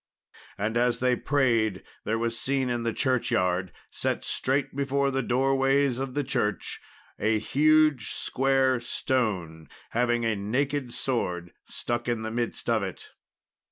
And as they prayed, there was seen in the churchyard, set straight before the doorways of the church, a huge square stone having a naked sword stuck in the midst of it.